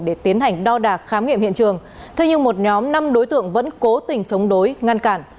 để tiến hành đo đạc khám nghiệm hiện trường thế nhưng một nhóm năm đối tượng vẫn cố tình chống đối ngăn cản